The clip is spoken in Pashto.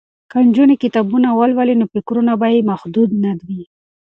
که نجونې کتابونه ولولي نو فکرونه به یې محدود نه وي.